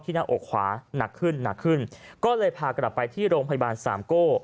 หน้าอกขวาหนักขึ้นหนักขึ้นก็เลยพากลับไปที่โรงพยาบาลสามโก้